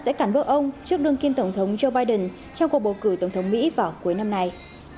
sẽ cản bước ông trước đương kim tổng thống joe biden trong cuộc bầu cử tổng thống mỹ vào cuối năm nay